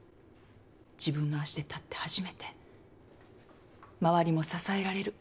自分の足で立って初めて周りも支えられる。